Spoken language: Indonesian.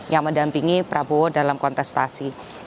yang mendampingi prabowo dalam kontestasi